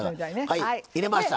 はい入れました。